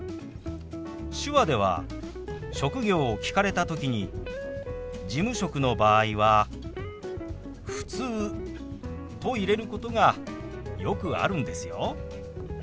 手話では職業を聞かれた時に事務職の場合は「ふつう」と入れることがよくあるんですよ。